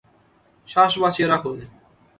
শ্বাস বাঁচিয়ে রাখুন।